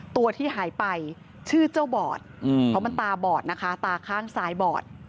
ตัวที่หายไปชื่อเจ้าบอดเพราะมันตาบอดนะคะตาข้างซ้ายบอด